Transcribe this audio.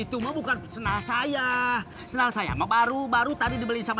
itu sendal itu bukan senal saya senal saya mau baru baru tadi dibeli sama